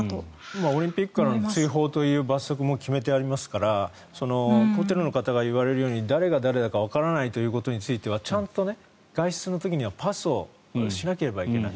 今オリンピックからの追放という罰則も決めてありますからホテルの方が言われるように誰が誰がかわからないということについてはちゃんと外出の時にはパスをしなければいけない。